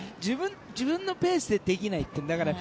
自分のペースでできないっていう。